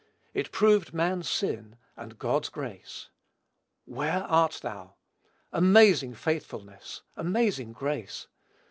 It proved man's sin, and God's grace. "Where art thou?" Amazing faithfulness! Amazing grace!